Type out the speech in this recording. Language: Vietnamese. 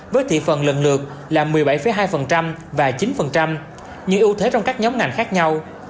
với thị phần lần lượt là một mươi bảy hai và chín như ưu thế trong các nhóm ngành khác nhau